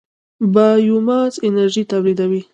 بایوماس انرژي تولیدوي.